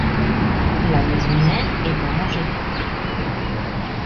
La maison-mère est à Angers.